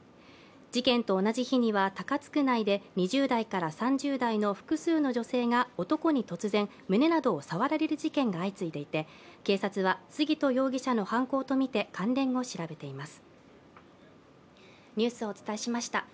事件と同じ日には、高津区内で２０代から３０代の複数の女性が、男に突然、胸などを触られる事件が相次いでいて警察は杉戸容疑者の犯行とみて関連を調べています。